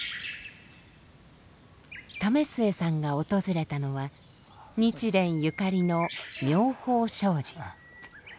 為末さんが訪れたのは日蓮ゆかりの妙法生寺。